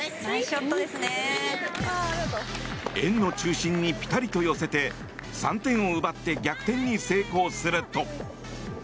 円の中心にピタリと寄せて３点を奪って逆転に成功すると。